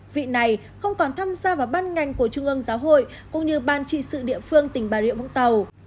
vị này không còn tham gia vào ban ngành của trung ương giáo hội cũng như ban trị sự địa phương tỉnh bà rịa vũng tàu